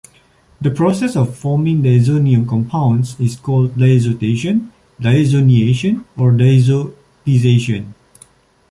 The process of forming diazonium compounds is called "diazotation", "diazoniation", or "diazotization".